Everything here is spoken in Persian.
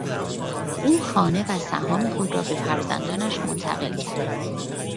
او خانه و سهام خود را به فرزندانش منتقل کرد.